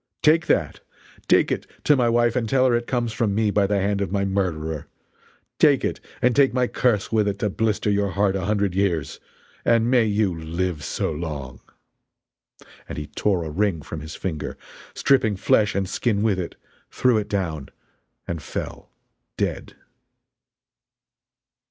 Take that! take it to my wife and tell her it comes from me by the hand of my murderer! Take it and take my curse with it to blister your heart a hundred years and may you live so long!" And he tore a ring from his finger, stripping flesh and skin with it, threw it down and fell dead!